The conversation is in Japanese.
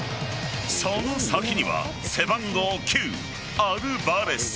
その先には背番号９アルヴァレス。